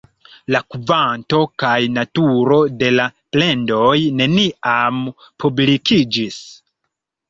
La kvanto kaj naturo de la plendoj neniam publikiĝis.